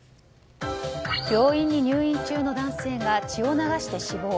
病院に入院中の男性が血を流して死亡。